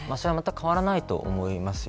変わらないと思いますよ。